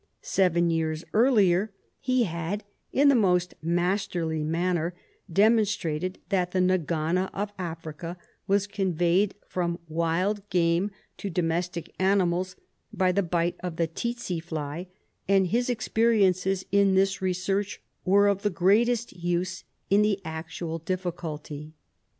Seven years earlier he had, in the most masterly manner, demon strated that the nagana of Africa was conveyed from wild game to domestic animals by the bite of the tsetse fly, and his experiences in this research were of the greatest use in the actual difficulty.